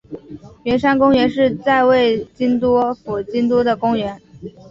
圆山公园是位在京都府京都市东山区的公园。